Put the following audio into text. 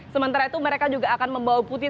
sementara itu mereka juga akan membawa putih